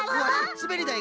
すべりだい。